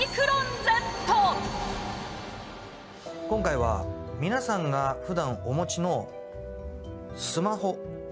今回は皆さんがふだんお持ちのスマホ。